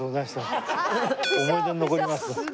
思い出に残ります。